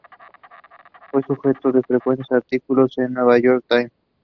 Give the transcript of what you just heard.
Fue sujeto de frecuentes artículos en el New York Times.